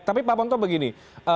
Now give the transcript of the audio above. tapi pak ponto begini